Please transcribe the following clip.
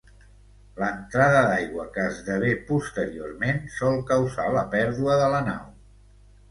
L'entrada d'aigua que esdevé posteriorment sol causar la pèrdua de la nau.